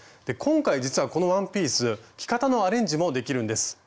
今回実はこのワンピース着方のアレンジもできるんです。